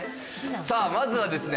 さあまずはですね